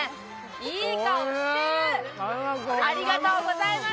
おいしい、ありがとうございます。